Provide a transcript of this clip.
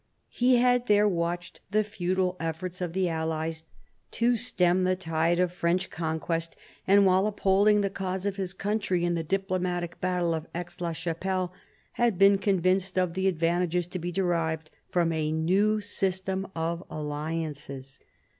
He had there watched the futile efforts of the allies to stem the tide of French conquest, and while upholding the cause of his country in the diplomatic battle of Aix la Chapelle, had been convinced of the advantages to be derived from a new system of alliances.